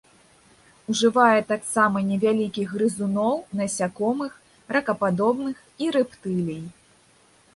Ужывае таксама невялікіх грызуноў, насякомых, ракападобных і рэптылій.